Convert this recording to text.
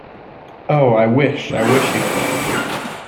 Oh, I wish, I wish you could!